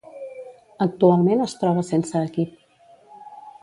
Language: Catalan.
Actualment, es troba sense equip.